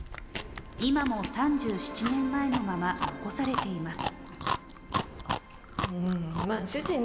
今も３７年のまま、残されています。